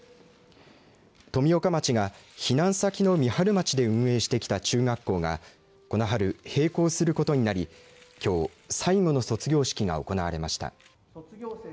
富岡町が避難先の三春町で運営してきた中学校がこの春、閉校することになりきょう最後の卒業式が行われました。